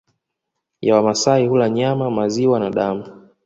ya Wamasai hula nyama maziwa na damu